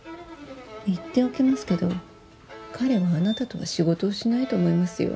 言っておきますけど彼はあなたとは仕事をしないと思いますよ。